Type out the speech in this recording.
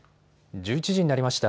１１時になりました。